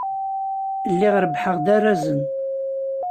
Lliɣ rebbḥeɣ-d arrazen.